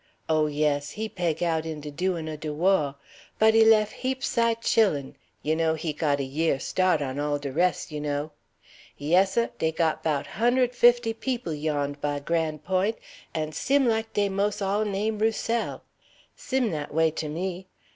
Oh, yes, he peg out in de du'in' o' de waugh. But he lef' heap sight chillen; you know, he got a year' staht o' all de res', you know. Yes, seh. Dey got 'bout hund'ed fifty peop' yond' by Gran' Point', and sim like dey mos' all name Roussel. Sim dat way to me.